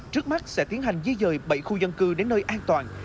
trước mắt sẽ tiến hành di dời bảy khu dân cư đến nơi an toàn